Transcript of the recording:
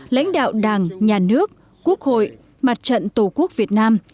lãnh đạo đảng nhà nước quốc hội mặt trận tổ quốc việt nam